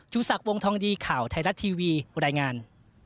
จุศักดิ์วงธองดีข่าวไทยรัฐทีวีบรรยายงาน